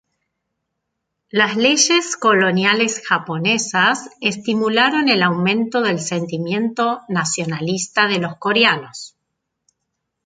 Las leyes coloniales japonesas estimularon el aumento del sentimiento nacionalista de los coreanos.